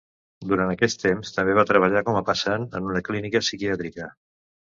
Durant aquest temps també va treballar com a passant en una clínica psiquiàtrica.